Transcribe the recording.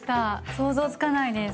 想像つかないです。